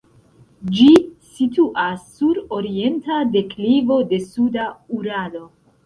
Ĝi situas sur orienta deklivo de suda Uralo.